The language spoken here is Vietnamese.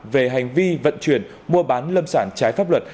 về hành vi vận chuyển mua bán lâm sản trái pháp luật